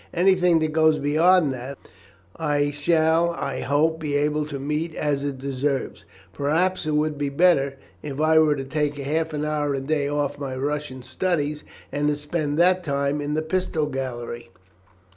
Anything that goes beyond that, I shall, I hope, be able to meet as it deserves. Perhaps it would be better if I were to take half an hour a day off my Russian studies and to spend that time in the pistol gallery."